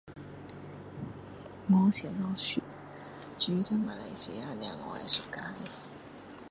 没什么历史在马来西亚会 suka